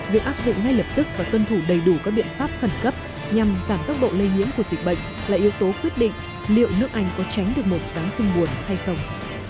việc áp dụng ngay lập tức và tuân thủ đầy đủ các biện pháp khẩn cấp nhằm giảm tốc độ lây nhiễm của dịch bệnh là yếu tố quyết định liệu nước anh có tránh được một giáng sinh buồn hay không